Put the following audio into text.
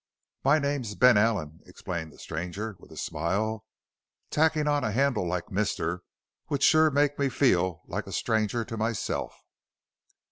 "My name's Ben Allen," explained the stranger with a smile. "Tacking on a handle like 'Mister' would sure make me feel like a stranger to myself."